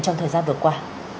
trong thời gian vừa qua